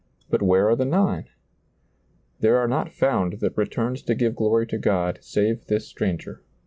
but where are the nine ?" There are not found that returned to give glory to God, save this stranger."